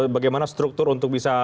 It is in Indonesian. bagaimana struktur untuk bisa